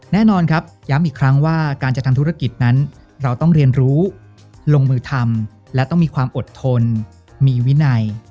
แน่นอนครับย้ำอีกครั้งว่าการจะทำธุรกิจนั้นเราต้องเรียนรู้ลงมือทำและต้องมีความอดทนมีวินัย